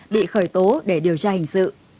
bị khởi tố để điều tra hình sự